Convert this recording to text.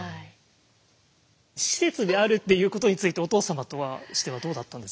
施設であるっていうことについてお父様としてはどうだったんですか？